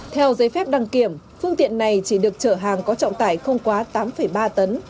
theo giấy phép đăng kiểm phương tiện này chỉ được chở hàng có trọng tải không quá tám ba tấn